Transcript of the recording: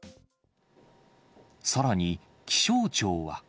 さらに、気象庁は。